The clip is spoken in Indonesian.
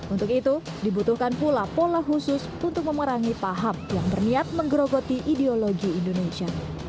untuk itu dibutuhkan pula pola khusus untuk memerangi paham yang berniat menggerogoti ideologi indonesia